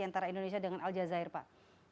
antara indonesia dengan aljazeera pak